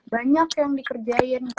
banyak yang dikerjain